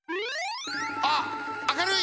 あっ明るい！